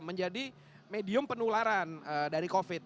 menjadi medium penularan dari covid